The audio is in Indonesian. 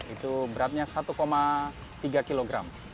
itu beratnya satu tiga kg